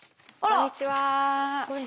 こんにちは。